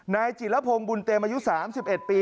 นายจิลพงศ์บุญเต็มอายุ๓๑ปี